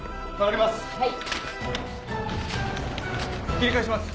切り返します。